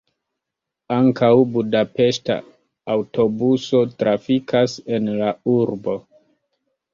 Ankaŭ budapeŝta aŭtobuso trafikas en la urbo.